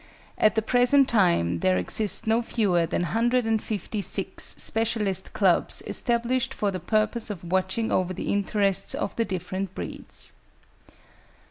At the present time there exist no fewer than 156 specialist clubs established for the purpose of watching over the interests of the different breeds.